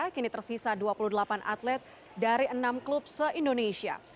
kini tersisa dua puluh delapan atlet dari enam klub se indonesia